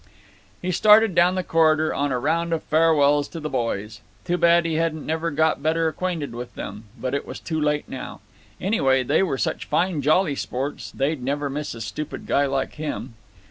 He started down the corridor on a round of farewells to the boys. "Too bad he hadn't never got better acquainted with them, but it was too late now. Anyway, they were such fine jolly sports; they'd never miss a stupid guy like him."